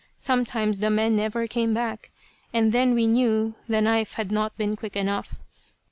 Sometimes the men never came back, and then we knew the knife had not been quick enough.